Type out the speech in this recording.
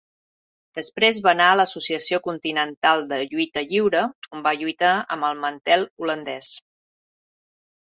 Després va anar a l'Associació Continental de Lluita Lliure on va lluitar amb el Mantel holandès.